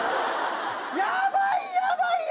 ヤバいヤバいよ！